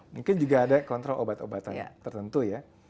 mungkin juga ada kontrol obat obatan tertentu ya